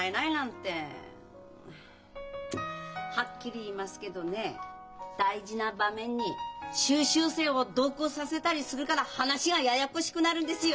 はっきり言いますけどね大事な場面に修習生を同行させたりするから話がややこしくなるんですよ！